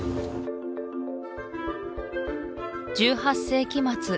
１８世紀末